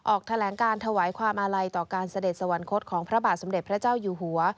ออกแถลงการถวายความอาลัยต่อการเสด็จสวรรคตของพระบาทสมเด็จพระเจ้าอยู่หัว